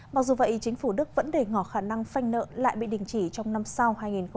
mặc dù vậy chính phủ đức vẫn để ngỏ khả năng phanh nợ lại bị đình chỉ trong năm sau hai nghìn hai mươi